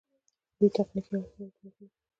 دوی تخنیکي اړتیاوې پوره کوي.